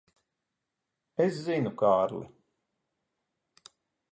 Es zinu, Kārli.